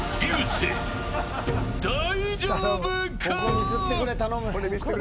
青、大丈夫か。